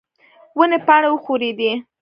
ونې پاڼې وښورېدې.